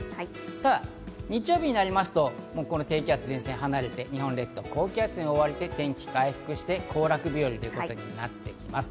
ただ日曜日になりますと低気圧や前線が離れて日本列島は高気圧に覆われて、天気回復して行楽日和ということになってきます。